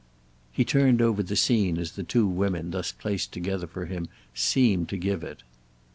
He turned over the scene as the two women thus placed together for him seemed to give it.